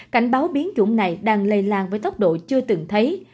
cảnh báo biến chủng này đang lây lan với tốc độ chưa từng thấy